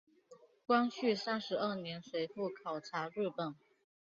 光绪三十二年随父考察日本。